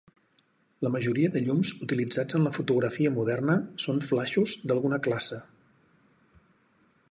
La majoria de llums utilitzats en la fotografia moderna són flaixos d'alguna classe.